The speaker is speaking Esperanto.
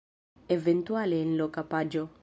Eventuale en loka paĝo.